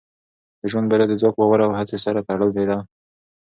د ژوند بریا د ځواک، باور او هڅې سره تړلې ده.